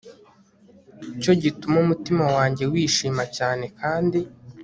cyo gituma umutima wanjye wishima cyane kandi